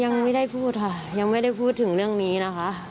ยังไม่ได้พูดค่ะยังไม่ได้พูดถึงเรื่องนี้นะคะ